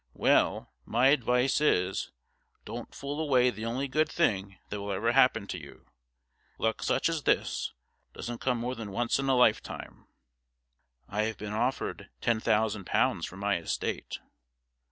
Well, my advice is, don't fool away the only good thing that will ever happen to you. Luck such as this doesn't come more than once in a lifetime.' 'I have been offered ten thousand pounds for my estate.'